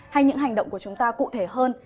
hay những hành động của chúng ta cụ thể hơn